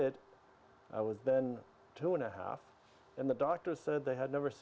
dan anda adalah seorang lelaki sains